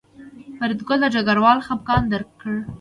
فریدګل د ډګروال خپګان درک کړ